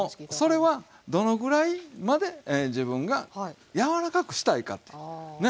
それはどのぐらいまで自分が柔らかくしたいかってね。